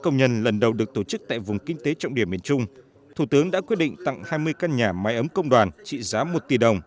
nền chung thủ tướng đã quyết định tặng hai mươi căn nhà máy ấm công đoàn trị giá một tỷ đồng